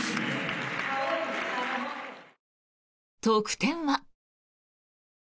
得点は。